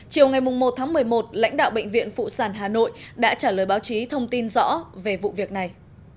chiều ngày một tháng một mươi một lãnh đạo bệnh viện phụ sản hà nội đã trả lời báo chí thông tin rõ về vụ việc này